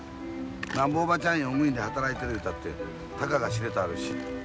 なんぼおばちゃん用務員で働いてるいうたってたかがしれたあるし。